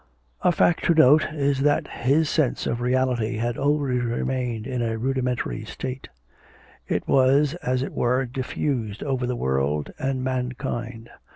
A fact to note is that his sense of reality had always remained in a rudimentary state; it was, as it were, diffused over the world and mankind.